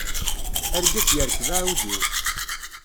Argaz yerkeb aɛudiw.